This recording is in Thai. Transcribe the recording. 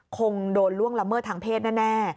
คงโดนล่วงละเมิดทางเพศแน่